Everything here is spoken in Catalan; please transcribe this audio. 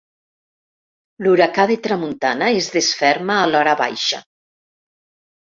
L'huracà de tramuntana es desferma a l'horabaixa.